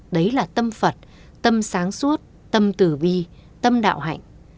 đấy là tâm phật tâm sáng suốt tâm từ bi tâm đạo hạnh